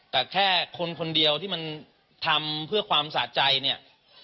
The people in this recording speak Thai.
แต่แค่คนคนเดียวที่มันทำเพื่อความสะใจเนี่ย